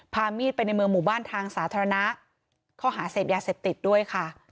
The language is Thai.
พามีดไปในเมืองหมู่บ้านทางสาธารณะข้อหาเสพยาเสพติดด้วยค่ะ